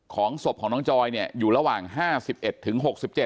ศพของน้องจอยเนี่ยอยู่ระหว่าง๕๑ถึง๖๗